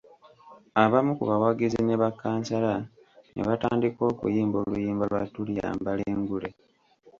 Abamu ku bawagizi ne bakkansala ne batandika okuyimba oluyimba lwa Tuliyambala engule .